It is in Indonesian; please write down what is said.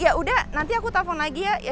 ya udah nanti aku telpon lagi ya